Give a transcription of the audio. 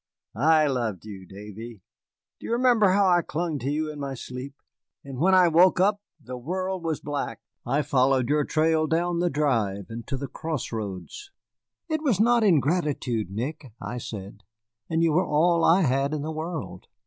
I loved you, Davy. Do you remember how I clung to you in my sleep? And when I woke up, the world was black. I followed your trail down the drive and to the cross roads " "It was not ingratitude, Nick," I said; "you were all I had in the world."